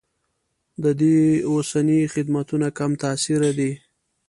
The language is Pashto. د دوی اوسني خدمتونه کم تاثیره دي.